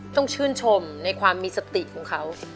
ต้องชื่นชมในความมีสติของเขา